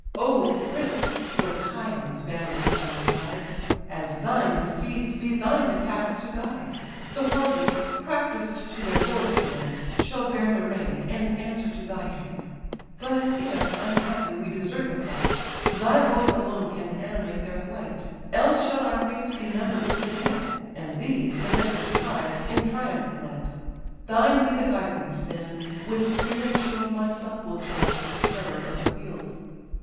"O prince! (Lycaon's valiant son replied) As thine the steeds, be thine the task to guide. The horses, practised to their lord's command, Shall bear the rein, and answer to thy hand; But, if, unhappy, we desert the fight, Thy voice alone can animate their flight; Else shall our fates be number'd with the dead, And these, the victor's prize, in triumph led. Thine be the guidance, then: with spear and shield Myself will charge this terror of the field."